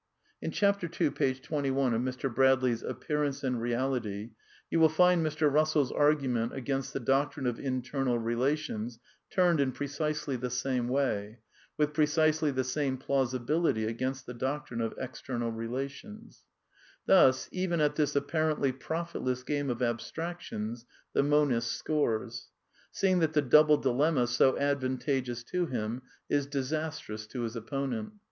In chapter ii, page 21, of Mr. Bradley's Appearance and Reality you will find Mr. Eussell's argument against the doctrine of internal relations turned in precisely the same way, with precisely the same plausibility against the doc trine of ^tPTTlfl] ^f^Q^^^^fl Thus, even at this apparently profitless game of abstrac tions, the monist scores ; seeing that the double dilemma, so advantageous to him, is disastrous to his opponent.